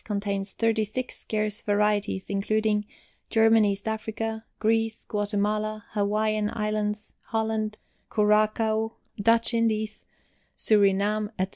Contains 36 scarce varieties, including German East Africa, Greece, Guatemala, Hawaiian Islands, Holland, Curaçao, Dutch Indies, Surinam, etc.